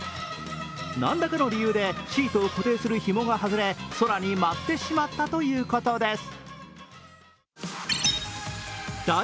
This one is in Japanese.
なんらかの理由でシートを固定するひもが外れ空に舞ってしまったということです。